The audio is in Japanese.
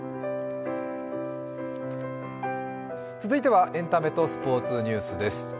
続いてはエンタメとスポーツニュースです。